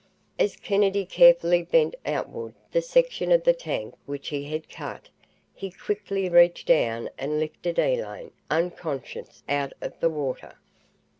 As Kennedy carefully bent outward the section of the tank which he had cut, he quickly reached down and lifted Elaine, unconscious, out of the water.